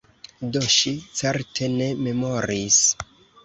Do ŝi certe ne memoris!